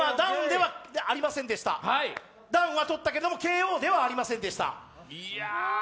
ダウンはとったけれども、ＫＯではありませんでした。